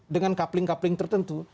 dengan coupling coupling tertentu